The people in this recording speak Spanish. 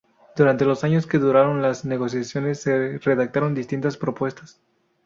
Durante los años que duraron las negociaciones se redactaron distintas propuestas.